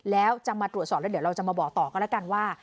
แล้วจะมาตรวจสอบแล้วเดี๋ยวเราจะมาบอกต่อก็แล้วกันว่า